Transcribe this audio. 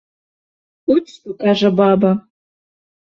От што кажа баба.